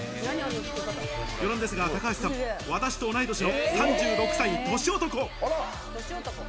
余談ですが、たかはしさん、私と同い年の３６歳、年男。